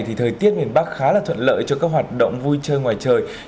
thì thời tiết miền bắc khá là thuận lợi cho các hoạt động vui chơi ngoài trời